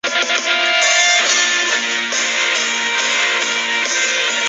巍焕楼的历史年代为清代。